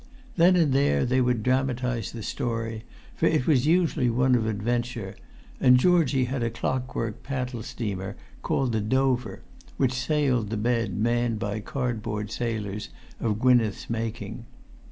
Then and there they would dramatise the story, for it was usually one of adventure, and Georgie had a clockwork paddle steamer called the Dover, which sailed the bed manned by cardboard sailors of Gwynneth's making.